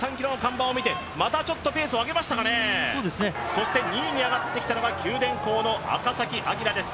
そして２位に上がってきたのが九電工の赤崎暁です。